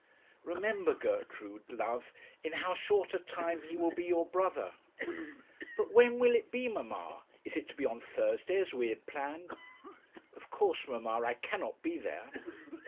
'Remember, Gertrude, love, in how short a time he will be your brother.' 'But when will it be, mamma? Is it to be on Thursday, as we had planned? Of course, mamma, I cannot be there.'